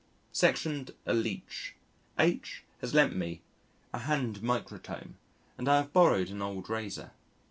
Sectioned a leech. H has lent me a hand microtome and I have borrowed an old razor.